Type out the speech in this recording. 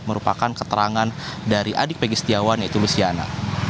merupakan keterangan dari adik pegi setiawan yaitu luciana